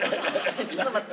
ちょっと待って。